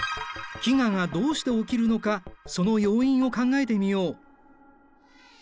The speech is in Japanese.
飢餓がどうして起きるのかその要因を考えてみよう。